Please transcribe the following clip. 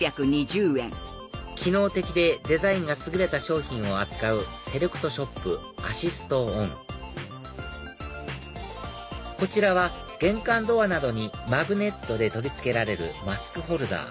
機能的でデザインが優れた商品を扱うセレクトショップアシストオンこちらは玄関ドアなどにマグネットで取り付けられるマスクホルダー